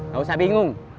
gak usah bingung